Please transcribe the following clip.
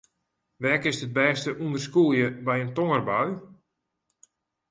Wêr kinst it bêste ûnder skûlje by in tongerbui?